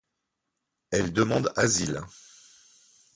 Elle demande asile.